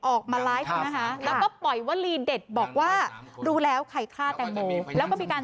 ออกมาก็ปล่อยวีลีด์เด็ดบอกว่าหรูแล้วกับแล้วก็มีการ